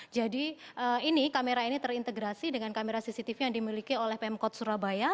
jadi ini kamera ini terintegrasi dengan kamera cctv yang dimiliki oleh pemkot surabaya